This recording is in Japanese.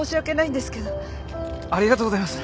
ありがとうございます。